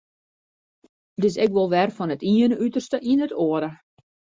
It is ek wol wer fan it iene uterste yn it oare.